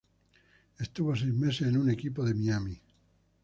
Estuvo seis meses en un equipo de Miami.